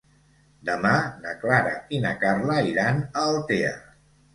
Demà na Clara i na Carla iran a Altea.